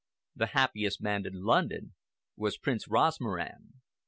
The happiest man in London was Prince Rosmaran.